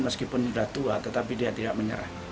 meskipun sudah tua tetapi dia tidak menyerah